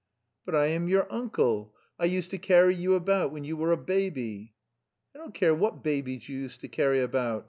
"But I am your uncle; I used to carry you about when you were a baby!" "I don't care what babies you used to carry about.